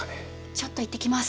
ちょっと行ってきます。